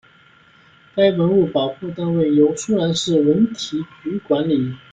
该文物保护单位由舒兰市文体局管理。